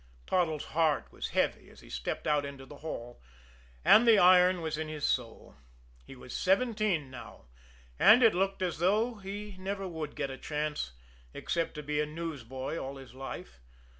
Toddles' heart was heavy as he stepped out into the hall, and the iron was in his soul. He was seventeen now, and it looked as though he never would get a chance except to be a newsboy all his life.